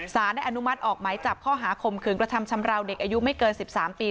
สารได้อนุมัติออกไหมจับข้อหาข่มขืนกระทำชำราวเด็กอายุไม่เกิน๑๓ปี